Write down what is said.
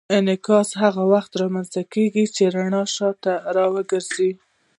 انعکاس هغه وخت رامنځته کېږي چې رڼا شاته راګرځي.